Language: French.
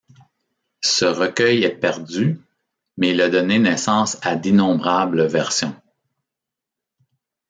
Ce recueil est perdu, mais il a donné naissance à d'innombrables versions.